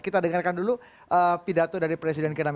kita dengarkan dulu pidato dari presiden ke enam